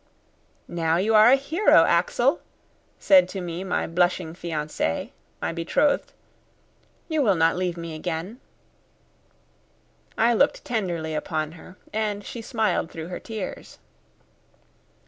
"Now you are a hero, Axel," said to me my blushing fiancée, my betrothed, "you will not leave me again!" I looked tenderly upon her, and she smiled through her tears.